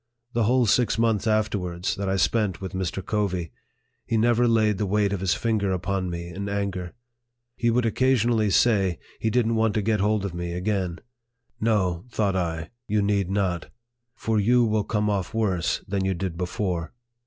The whole six months afterwards, that I spent with Mr. Covey, he never laid the weight of his finger upon me in anger. He would occasionally say, he didn't want to get hold of me again. " No," thought I, " you need not ; for you will come off worse than you did before."